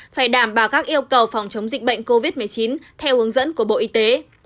phải đảm bảo các yêu cầu phòng chống dịch bệnh covid một mươi chín theo hướng dẫn của bộ y tế